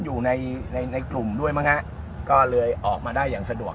อยู่ในในกลุ่มด้วยมั้งฮะก็เลยออกมาได้อย่างสะดวก